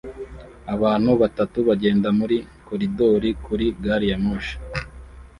Abantu batatu bagenda muri koridoro kuri gariyamoshi